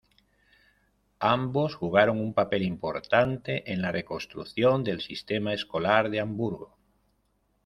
Ambos jugaron un papel importante en la reconstrucción del sistema escolar de Hamburgo.